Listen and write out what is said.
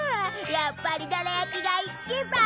やっぱりどら焼きが一番。